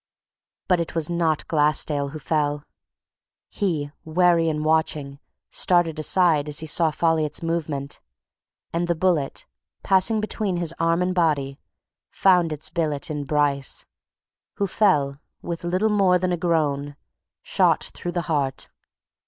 But it was not Glassdale who fell. He, wary and watching, started aside as he saw Folliot's movement, and the bullet, passing between his arm and body, found its billet in Bryce, who fell, with little more than a groan, shot through the heart.